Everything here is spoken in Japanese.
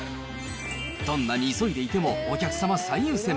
どんなに急いでいても、お客様最優先。